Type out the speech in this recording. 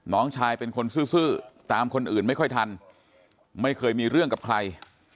น้องชายเป็นคนซื่อตามคนอื่นไม่ค่อยทันไม่เคยมีเรื่องกับใคร